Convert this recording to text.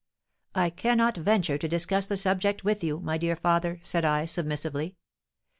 'I cannot venture to discuss the subject with you, my dear father,' said I, submissively.